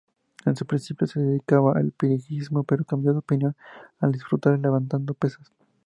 En principio se dedicaba al piragüismo, pero cambió de opinión al disfrutar levantando pesas.